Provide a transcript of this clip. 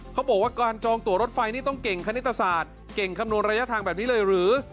เขาบอกว่าการจองตัวรถไฟนี่ต้องเก่งคณิตศาสตร์เก่งคำนวณระยะทางแบบนี้เลยหรือ